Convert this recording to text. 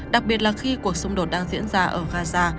đặc biệt là khi cuộc xung đột đang diễn ra ở gaza